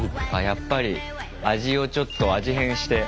やっぱり味をちょっと味変して。